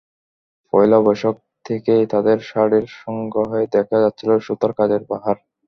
পয়লা বৈশাখ থেকেই তাদের শাড়ির সংগ্রহে দেখা যাচ্ছিল সুতার কাজের বাহার।